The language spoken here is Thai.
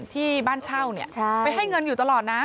ที่บ้านเช่าไปให้เงินอยู่ตลอดนะ